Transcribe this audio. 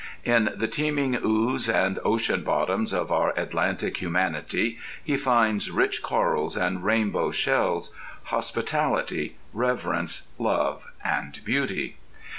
In the teeming ooze and ocean bottoms of our atlantic humanity he finds rich corals and rainbow shells, hospitality, reverence, love, and beauty.